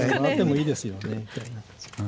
「いいっすかね」みたいな。